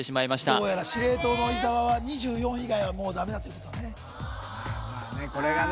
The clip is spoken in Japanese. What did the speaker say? どうやら司令塔の伊沢は２４以外はダメだっていうことだねまあね